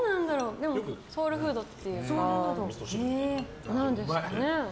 ソウルフードっていうかなんですかね。